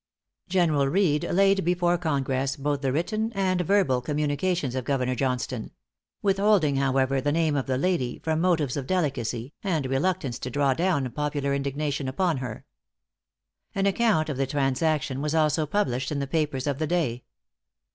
General Reed laid before Congress both the written and verbal communications of Governor Johnstone; withholding, however, the name of the lady, from motives of delicacy, and reluctance to draw down popular indignation upon her. An account of the transaction was also published in the papers of the day.